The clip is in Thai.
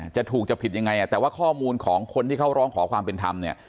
จะถูกจะผิดยังไงแต่ว่าข้อมูลของคนที่เขาร้องขอความเป็นธรรมเนี่ย